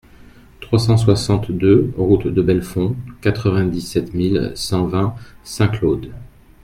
trois cent soixante-deux route de Belfond, quatre-vingt-dix-sept mille cent vingt Saint-Claude